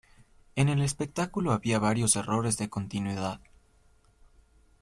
En el espectáculo había varios errores de continuidad.